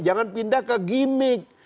jangan pindah ke gimmick